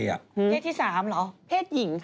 เพศที่๓เพศหญิง